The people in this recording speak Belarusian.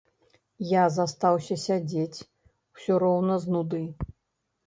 Я застаўся сядзець, усё роўна з нуды.